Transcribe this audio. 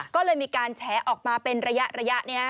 ก็เลยมีการแฉออกมาเป็นระยะเนี่ยนะ